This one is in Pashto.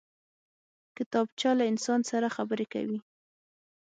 کتابچه له انسان سره خبرې کوي